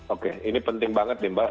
oke ini penting banget nih mbak